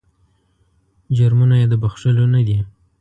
جرمونه یې د بخښلو نه دي.